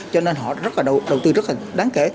cho nên họ đầu tư rất là đáng kể